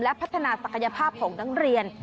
และพัฒนาศักยภาพของนักเรียน